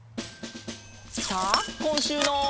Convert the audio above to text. さあこんしゅうの。